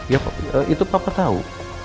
ya itu papa tau